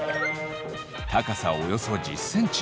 高さおよそ１０ｃｍ。